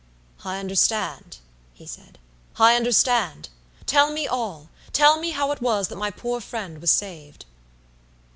"I understand," he said, "I understand. Tell me all; tell me how it was that my poor friend was saved."